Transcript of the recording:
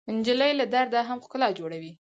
نجلۍ له درده هم ښکلا جوړوي.